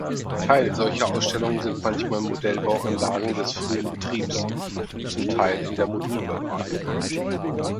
Teil solcher Ausstellungen sind manchmal Modellbau-Anlagen des früheren Betriebs, zum Teil in der Modul-Bauweise.